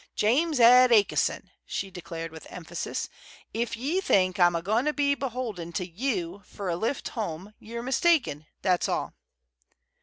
"James Ed A'ki'son," she declared, with emphasis, "if ye think I'm a goin' to be beholden to you fer a lift home, ye're mistaken, that's all."